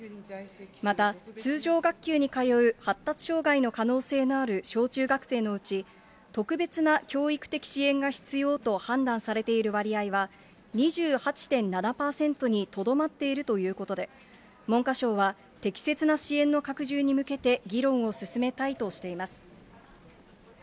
また、通常学級に通う発達障害の可能性のある小中学生のうち、特別な教育的支援が必要と判断されている割合は、２８．７％にとどまっているということで、文科省は、適切な支援の拡充に向けて、議論を進めたいとしています。